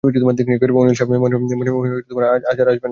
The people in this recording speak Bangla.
আনিস সাহেব মনে হয় আজ আর আসবেন না।